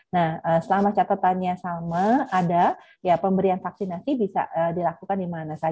nah selama catatannya sama ada pemberian vaksinasi bisa dilakukan di mana saja